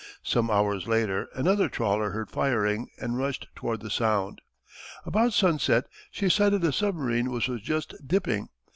Some hours later another trawler heard firing and rushed toward the sound. About sunset she sighted a submarine which was just dipping.